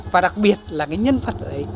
và đặc biệt là cái nhân vật ở đây